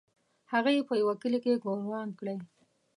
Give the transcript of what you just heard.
هغه یې په یوه کلي کې ګوروان کړی.